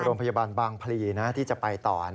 โรงพยาบาลบางพลีที่จะไปต่อ